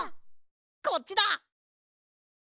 こっちだ！